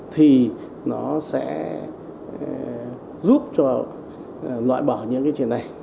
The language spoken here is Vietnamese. thì nó sẽ giúp cho loại bỏ những cái chuyện này